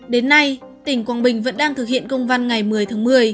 đến nay tỉnh quảng bình vẫn đang thực hiện công văn ngày một mươi tháng một mươi